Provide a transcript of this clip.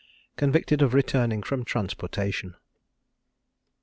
CONVICTED OF RETURNING FROM TRANSPORTATION.